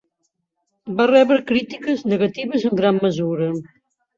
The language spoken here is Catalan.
Va rebre crítiques negatives en gran mesura.